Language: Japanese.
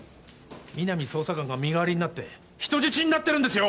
皆実捜査官が身代わりになって人質になってるんですよ！